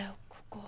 ここ。